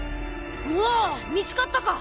おお見つかったか！